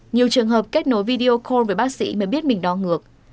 nhiều trường hợp kết nối video call với bác sĩ mới biết mình đo ngược